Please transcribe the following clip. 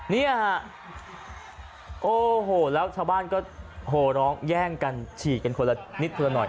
เนี่ยฮะโอ้โหแล้วชาวบ้านก็โหร้องแย่งกันฉีดกันคนละนิดคนละหน่อย